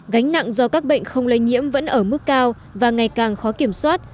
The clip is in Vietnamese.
gánh nặng do các bệnh không lây nhiễm vẫn ở mức cao và ngày càng khó kiểm soát